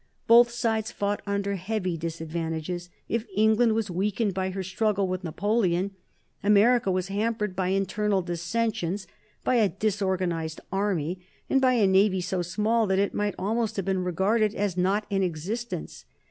Both sides fought under heavy disadvantages. If England was weakened by her struggle with Napoleon, America was hampered by internal dissensions, by a disorganized army and by a navy so small that it might almost have been regarded as not in existence.